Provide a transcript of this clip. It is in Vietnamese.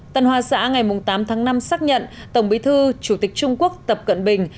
tân hoa xã ngày tám tháng năm xác nhận tổng bí thư chủ tịch trung quốc tập cận bình